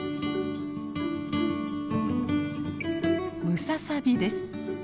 ムササビです。